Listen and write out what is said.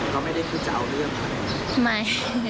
เขาไม่ได้พูดเจาะเรื่องอะไร